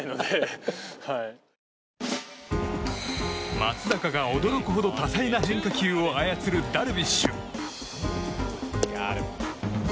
松坂が驚くほど多彩な変化球を操るダルビッシュ。